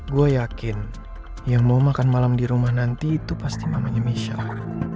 gue yakin yang mau makan malam di rumah nanti itu pasti mamanya michelle